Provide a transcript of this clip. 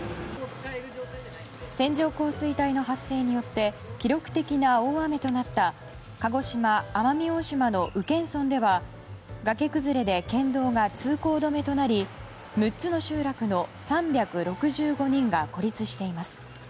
線状降水帯の発生によって記録的な大雨となった鹿児島・奄美大島の宇検村では崖崩れで県道が通行止めとなり６つの集落の３６５人が孤立しています。